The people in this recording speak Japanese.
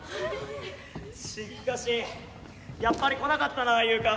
しっかしやっぱり来なかったなユウカ。